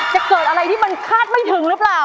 จะเกิดอะไรที่มันคาดไม่ถึงหรือเปล่า